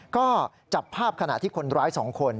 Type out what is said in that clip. ก็จับภาพขณะที่คนร้าย๒คน